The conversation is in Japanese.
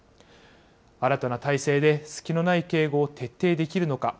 新たな体制で隙のない警護を徹底できるのか。